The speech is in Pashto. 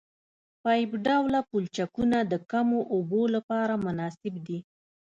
پایپ ډوله پلچکونه د کمو اوبو لپاره مناسب دي